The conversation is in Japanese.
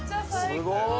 すごーい。